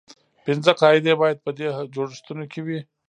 پنځه قاعدې باید په دې جوړښتونو کې وي.